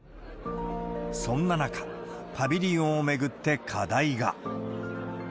そんな中、パビリオンを巡って課題が。